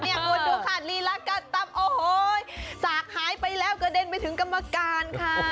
นี่คุณดูคะลีลากันตับโอ้โหสากหายไปแล้วเกดนไปถึงกรรมการค่ะ